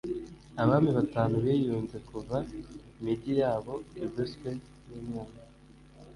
abami batanu biyunze kuva migi yabo igoswe nu mwanzi